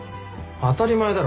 当たり前だろ。